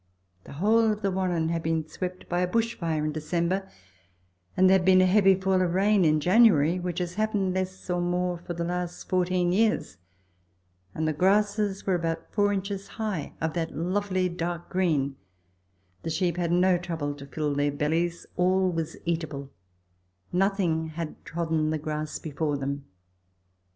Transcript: The whole of the Wannon had been swept by a bush fire in December, and there had been a heavy fall of rain in January (which has happened, less or more, for this last thirteen years), and the grasses were about four inches high, of that lovely dark green ; the sheep had no trouble to fill their bellies ; all was eatable ; nothing had trodden the grass before them.